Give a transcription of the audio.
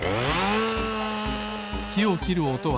きをきるおとは